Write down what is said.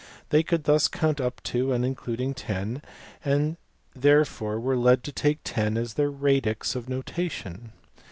They could thus count up to and including ten, and therefore were led to take ten as their radix of notation.